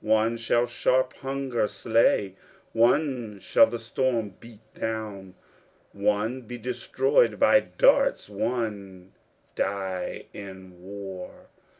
One shall sharp hunger slay; one shall the storm beat down; One be destroyed by darts, one die in war.